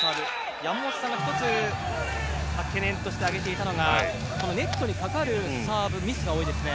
山本さんが１つ懸念として挙げていたのがこのネットにかかるサーブミスが多いですね。